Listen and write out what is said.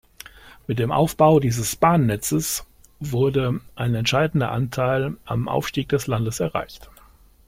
Mit dem Aufbau dieses Bahnnetzes wurde ein entscheidender Anteil am Aufstieg des Landes erreicht.